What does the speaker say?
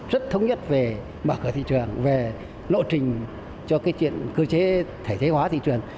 rất thống nhất về mở cửa thị trường về lộ trình cho cái chuyện cơ chế thể thế hóa thị trường